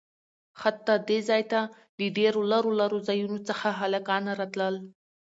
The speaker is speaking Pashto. حتا د ځاى ته له ډېرو لرو لرو ځايونه څخه هلکان راتلل.